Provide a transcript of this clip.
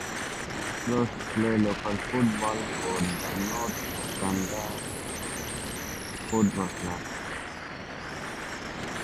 Close played local football for the North Gambier Football Club.